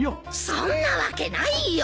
そんなわけないよ！